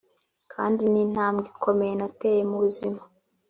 kandi ni intambwe ikomeye nateye mu buzima